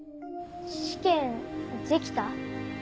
試験できた？